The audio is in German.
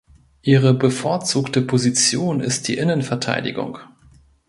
Ihre bevorzugte Position ist die Innenverteidigung.